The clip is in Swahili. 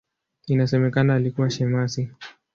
Inasemekana alikuwa shemasi.